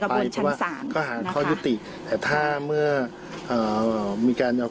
กระบวนชั้นสามก็หาข้อยุติแต่ถ้าเมื่อเอ่อมีการยอม